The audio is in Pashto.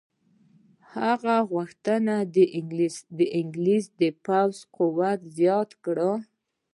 هغه غوښتل د انګلیسي پوځ قوت زیات کړي.